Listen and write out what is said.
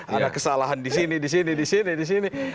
ada kesalahan di sini di sini di sini di sini